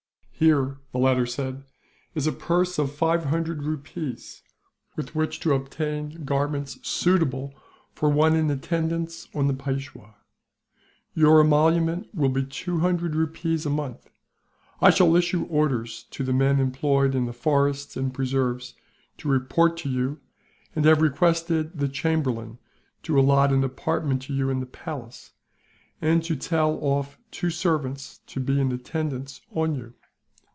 "Here," the latter said, "is a purse of five hundred rupees, with which to obtain garments suitable for one in attendance on the Peishwa. Your emolument will be two hundred rupees a month. I shall issue orders to the men employed in the forests and preserves to report to you; and have requested the chamberlain to allot an apartment to you in the palace, and to tell off two servants to be in attendance on you.